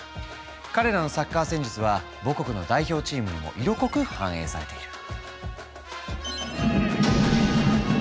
彼らのサッカー戦術は母国の代表チームにも色濃く反映されている。